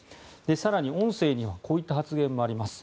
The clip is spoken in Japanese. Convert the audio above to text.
更に音声にはこういった発言もあります。